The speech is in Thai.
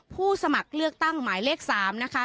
ผู้สมัครเลือกตั้งหมายเลข๓นะคะ